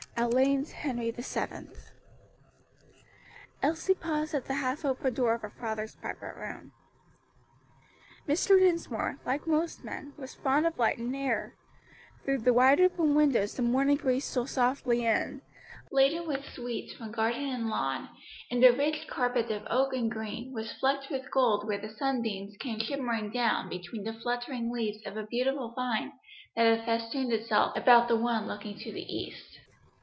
ALLEYN'S HENRY VII. Elsie paused at the half open door of her father's private room. Mr. Dinsmore, like most men, was fond of light and air; through the wide open windows the morning breeze stole softly in, laden with sweets from garden and lawn, and the rich carpet of oak and green was flecked with gold where the sunbeams came shimmering down between the fluttering leaves of a beautiful vine that had festooned itself about the one looking to the east.